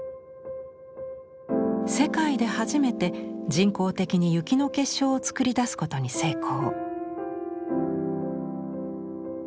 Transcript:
世界で初めて人工的に雪の結晶を作り出すことに成功。